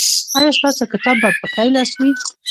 ایا ستاسو کتاب به په ښي لاس وي؟